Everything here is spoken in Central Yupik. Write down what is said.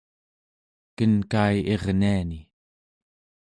kenkai irniani